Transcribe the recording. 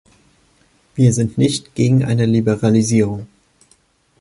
Wir sind nicht gegen eine Liberalisierung.